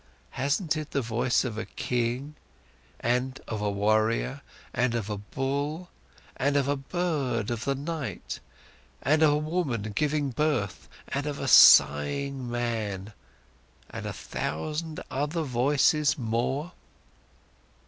Hasn't it the voice of a king, and of a warrior, and of a bull, and of a bird of the night, and of a woman giving birth, and of a sighing man, and a thousand other voices more?"